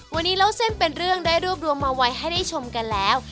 วันนี้เล่าเส้นเป็นเรื่องได้รวบรวมมาไว้ให้ได้ชมกันแล้ว